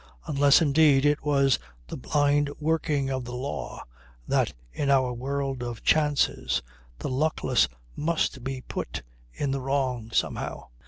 Unless indeed it was the blind working of the law that in our world of chances the luckless must be put in the wrong somehow.